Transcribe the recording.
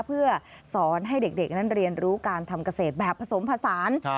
เพื่อสอนให้เด็กนั้นเรียนรู้การทำเกษตรแบบผสมผสาน